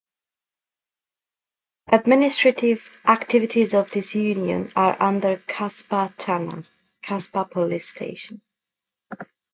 Administrative activities of this union are under Kasba Thana (Kasba police station).